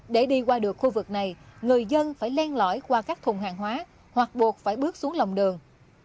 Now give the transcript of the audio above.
để đi qua được khu vực này người dân phải len lõi qua các thùng hàng hóa hoặc buộc phải bước xuống lòng đường